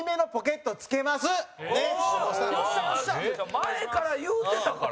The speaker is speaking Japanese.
前から言うてたから。